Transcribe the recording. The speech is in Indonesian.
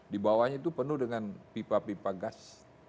di bawahnya itu penuh dengan pipa pipa gas